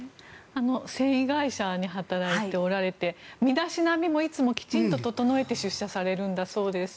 繊維会社で働いておられて身だしなみもいつもきちんと整えて出社されるそうです。